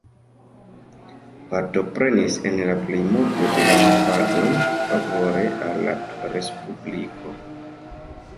Partoprenis en la plej multo de la movadoj favore al la Respubliko.